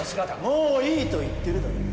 もういいと言ってるだろ！